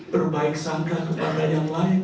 berbaik sangka kepada yang lain